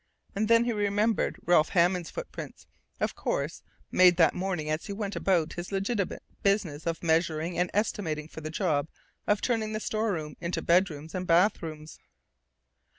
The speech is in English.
And then he remembered.... Ralph Hammond's footprints, of course, made that morning as he went about his legitimate business of measuring and estimating for the job of turning the storeroom into bedrooms and bathrooms.